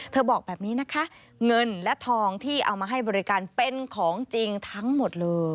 บอกแบบนี้นะคะเงินและทองที่เอามาให้บริการเป็นของจริงทั้งหมดเลย